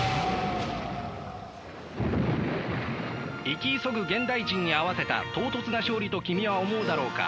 生き急ぐ現代人に合わせた唐突な勝利と君は思うだろうか。